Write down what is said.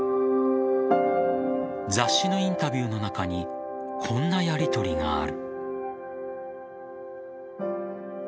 雑誌のインタビューの中にこんなやりとりがある。